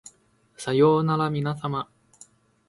さようならみなさま